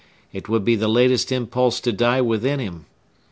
It would be the latest impulse to die within him.